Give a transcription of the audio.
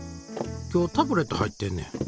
今日タブレット入ってんねん。